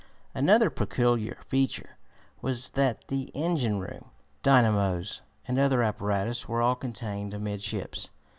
Another peculiar feature was that the engine room, dynamos and other apparatus were all contained amidships.